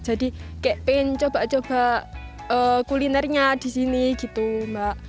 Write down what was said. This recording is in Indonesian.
jadi kayak pengen coba coba kulinernya disini gitu mbak